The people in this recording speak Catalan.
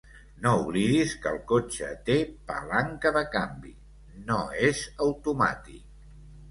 No oblidis que el cotxe té palanca de canvi; no és automàtic.